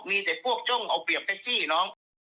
มีแต่พวกจ้องเอาเปรียบแท็กซี่น้อง